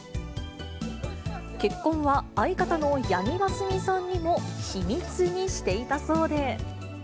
結婚は相方の八木真澄さんにも秘密にしていたそうで。